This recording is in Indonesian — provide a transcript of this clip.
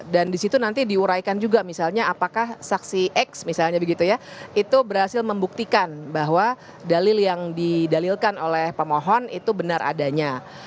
dan di situ nanti diuraikan juga misalnya apakah saksi x misalnya begitu ya itu berhasil membuktikan bahwa dalil yang didalilkan oleh pemohon itu benar adanya